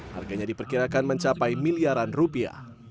harganya diperkirakan mencapai miliaran rupiah